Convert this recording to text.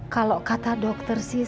kalau kata dokter sih